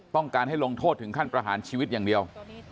ต้องการให้ลงโทษถึงขั้นประหารชีวิตอย่างเดียว